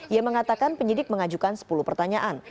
ia mengatakan penyidik mengajukan sepuluh pertanyaan